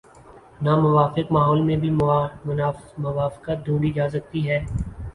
ناموافق ماحول میں بھی موافقت ڈھونڈی جا سکتی ہے۔